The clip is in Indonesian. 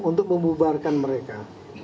untuk membubarkan mereka